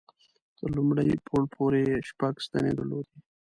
تر لومړي پوړ پورې یې شپږ ستنې درلودې.